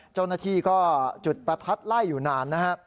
เจ้าหน้าที่ก็จุดประทัดไล่อยู่นานนะฮะ